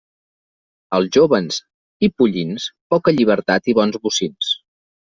Als jóvens i pollins, poca llibertat i bons bocins.